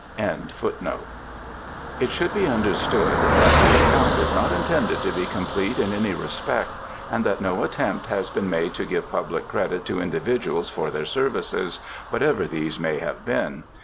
and N. It should be understood that the account is not intended to be complete in any respect, and that no attempt has been made to give public credit to individuals for their services, whatever these may have been.